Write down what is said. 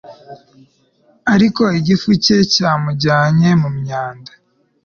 ariko igifu cye cyamujyanye mu myanda